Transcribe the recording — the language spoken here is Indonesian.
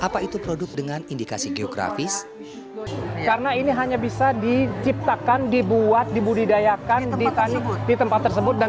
karena ini hanya bisa diciptakan dibuat dibudidayakan di negociasi pertempatan sebut dan